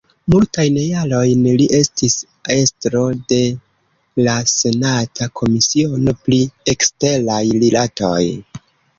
Multajn jarojn li estis estro de la senata komisiono pri eksteraj rilatoj.